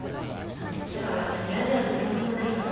今日は私ラジオの仕事もないの。